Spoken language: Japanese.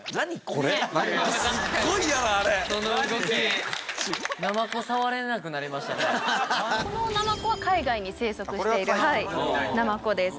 このナマコは海外に生息しているナマコです。